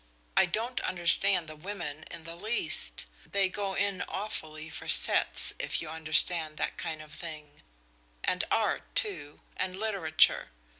I don't understand the women in the least they go in awfully for sets, if you understand that kind of thing and art, too, and literature.